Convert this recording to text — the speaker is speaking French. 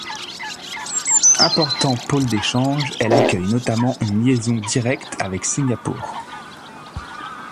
Important pôle d'échanges, elle accueille notamment une liaision directe avec Singapour.